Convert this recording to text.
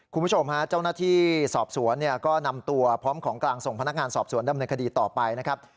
คุณผู้ชมฮะเจ้าหน้าที่สอบสวนเนี่ยก็นำตัวพร้อมของกลางส่งพนักงานสอบสวนดำเนินคดีต่อไปนะครับ